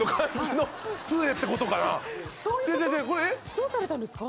どうされたんですか？